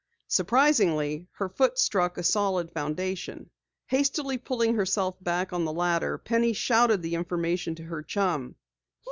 Surprisingly her foot struck a solid foundation. Hastily pulling herself back on the ladder, Penny shouted the information to her chum.